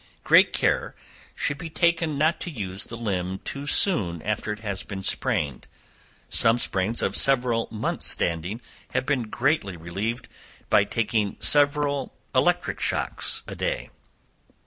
Great care should be taken not to use the limb too soon after it has been sprained. Some sprains of several months' standing have been greatly relieved by taking several electric shocks a day.